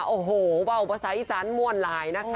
โอ้โหว่าอุปสรรค์อีสานมวลลายนะคะ